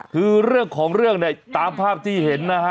คือเรื่องของเรื่องเนี่ยตามภาพที่เห็นนะฮะ